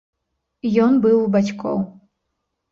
Ён быў у бацькоў.